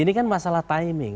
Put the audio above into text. ini kan masalah timing